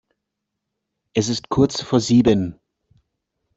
Es ist kurz vor sieben.